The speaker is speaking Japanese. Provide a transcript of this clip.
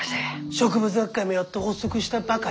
植物学会もやっと発足したばかりだ。